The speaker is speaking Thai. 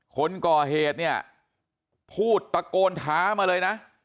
คนก่อเหตุเนี่ยพูดตะโกนท้ามาเลยนะ